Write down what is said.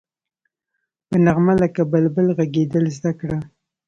په نغمه لکه بلبل غږېدل زده کړه.